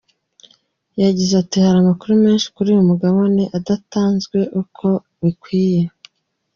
Yagize ati “Hari amakuru menshi kuri uyu mugabane adatangazwa uko bikwiye.